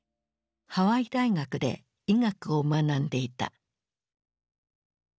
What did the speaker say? ハワイ大学で医学を学んでいた。